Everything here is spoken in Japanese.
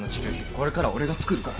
これからは俺が作るから。